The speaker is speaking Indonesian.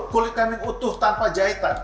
kulit kambing utuh tanpa jahitan